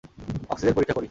Oxygen পরীক্ষা করি।